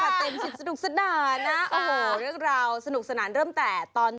เต็มสิบสนุกสนานนะโอ้โหเรื่องราวสนุกสนานเริ่มแต่ตอน